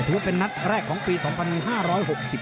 ถือว่าเป็นนัดแรกของปี๒๕๖๐นาที